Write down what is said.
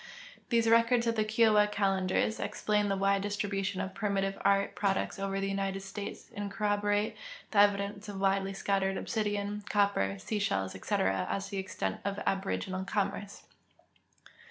These records of tlie KioAva calendars explain the Avide distribution of primitive art products over the United States and corroborate the evidence of Avidely scattered obsidian, copper, sea shells, etc., as to the extent of aboriginal commerce.